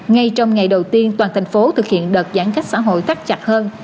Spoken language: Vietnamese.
ngay trong ngày đầu tiên toàn thành phố thực hiện đợt giãn cách xã hội tắt chặt hơn